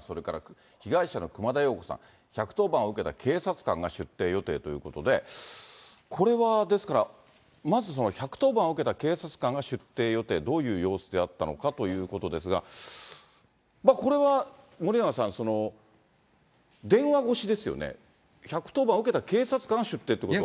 それから被害者の熊田曜子さん、１１０番を受けた警察官が出廷予定ということで、これはですから、まずその１１０番を受けた警察官が出廷予定、どういう様子であったのかということですが、これは森永さん、電話越しですよね、１１０番受けた警察官が出廷ということは。